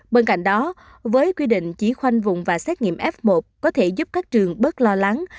bên cạnh đó với quy định chỉ khoanh vùng và xét nghiệm f một có thể giúp các trường bớt lo lắng